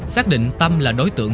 xác định tâm là đối tượng